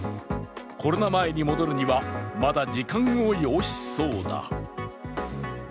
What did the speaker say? コロナ前に戻るにはまだ時間を要しそうだ。